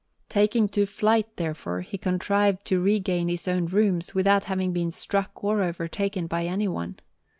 Taking to flight, therefore, he contrived to regain his own rooms without having been struck or overtaken by anyone.